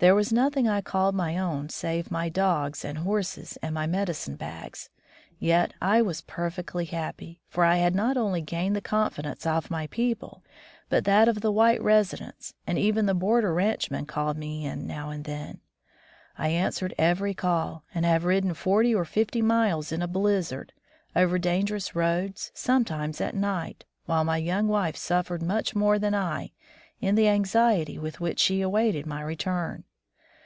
There was nothing I called my own save my dogs and horses and my medicine bags, yet I was perfectly happy, for I had not only gained the confidence of my people, but that of the white residents, and even the border ranchmen called me in now and then. I answered every call, and have ridden forty or fifty miles in a blizzard, over dangerous roads, sometimes at night, while my young wife suffered much more than I in the anxiety with which she awaited my return.